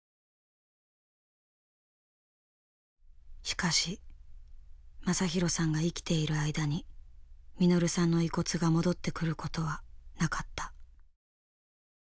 しかし昌弘さんが生きている間に實さんの遺骨が戻ってくることはなかった。